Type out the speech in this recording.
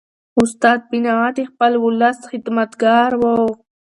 استاد بینوا د خپل ولس خدمتګار و.